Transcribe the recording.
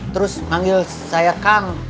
terus manggil saya kang